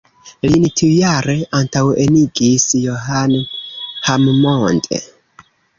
Lin tiujare antaŭenigis John Hammond.